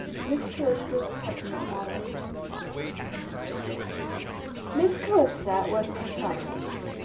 Miss Calista's Peppermint Bottle Miss Calista was perplexed.